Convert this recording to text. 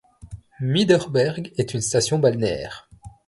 Muiderberg est une station balnéaire.